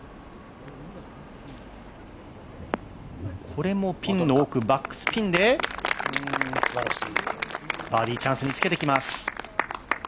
これもピンの奥、バックスピンでバーディーチャンスにつけてきます。